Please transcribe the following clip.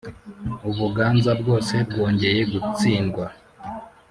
u Buganza bwose bwongeye gutsindwa